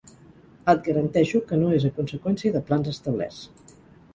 Et garanteixo que no és a conseqüència de plans establerts.